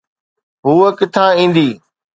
هوءَ ڪٿان ايندي؟